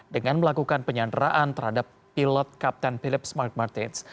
dengan melakukan penyanderaan terhadap pilot kapten phillips mark martens